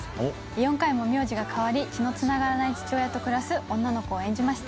４回も名字が変わり血のつながらない父親と暮らす女の子を演じました。